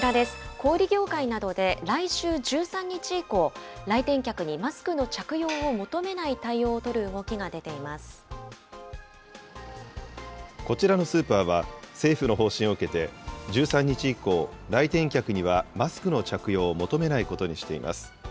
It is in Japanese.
小売り業界などで来週１３日以降、来店客にマスクの着用を求めないこちらのスーパーは、政府の方針を受けて、１３日以降、来店客にはマスクの着用を求めないことにしています。